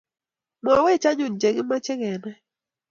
Mwaiwech anyun che kimache kenai